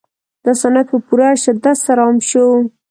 دا صنعت په پوره شدت سره عام شو